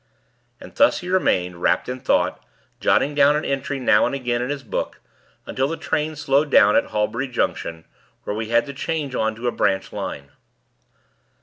And thus he remained, wrapped in thought, jotting down an entry now and again in his book, until the train slowed down at Halbury Junction, where we had to change on to a branch line.